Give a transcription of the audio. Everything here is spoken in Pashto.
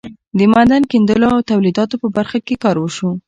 د معدن کیندلو او تولیداتو په برخه کې کار وشو.